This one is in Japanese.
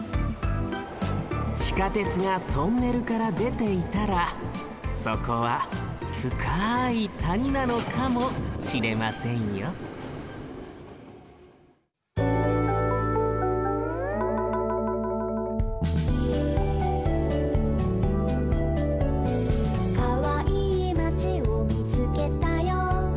地下鉄がトンネルからでていたらそこはふかいたになのかもしれませんよ「かわいいまちをみつけたよ」